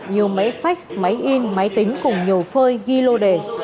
nhiều máy phách máy in máy tính cùng nhiều phơi ghi lô đề